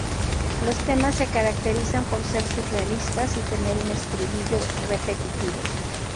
Los temas se caracterizan por ser surrealistas y tener un estribillo repetitivo.